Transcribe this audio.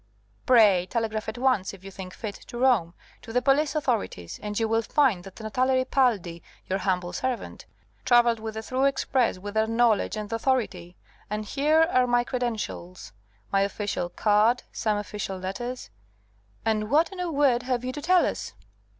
"Pray telegraph at once, if you think fit, to Rome, to the police authorities, and you will find that Natale Ripaldi your humble servant travelled by the through express with their knowledge and authority. And here are my credentials, my official card, some official letters " "And what, in a word, have you to tell us?"